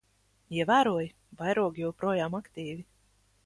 Ievēroji? Vairogi joprojām aktīvi.